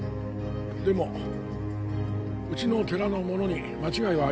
でもうちの寺のものに間違いはありません。